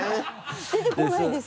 出てこないですか？